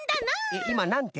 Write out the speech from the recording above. えっいまなんて？